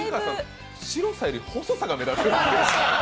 白さより細さが目立つ。